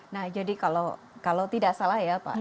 nah jadi kalau tidak salah ya pak